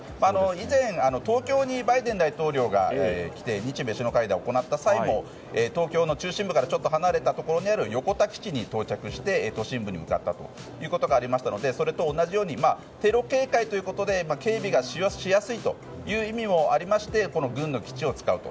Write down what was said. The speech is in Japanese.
以前、東京にバイデン大統領が来て日米首脳会談を行った際も東京の中心部からちょっと離れたところにある横田基地に到着して、都心部に向かったことがありましたのでそれと同じようにテロ警戒ということで警備がしやすいという意味もありまして軍の基地を使うと。